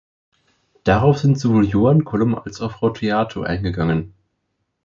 Darauf sind sowohl Joan Colom als auch Frau Theato eingegangen.